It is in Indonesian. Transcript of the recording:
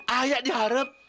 ah ya diharap